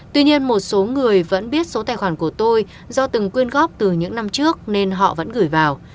tuy nhiên một số người vẫn biết số tài khoản của tôi do từng quyên góp từ những năm trước nên họ vẫn gửi vào